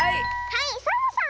はいサボさん！